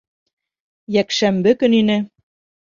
Йәкшәмбе көн ине.